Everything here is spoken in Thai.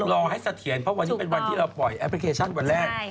รอให้เสถียรเพราะวันนี้เป็นวันที่เราปล่อยแอปพลิเคชันวันแรก